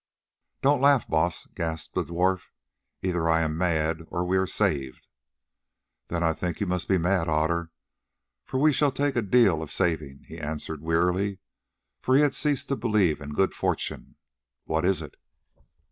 "Don't laugh, Baas," gasped the dwarf; "either I am mad, or we are saved." "Then I think that you must be mad, Otter, for we shall take a deal of saving," he answered wearily, for he had ceased to believe in good fortune. "What is it?"